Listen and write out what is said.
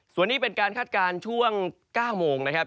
ส่วนนี้เป็นการคาดการณ์ช่วง๙โมงนะครับ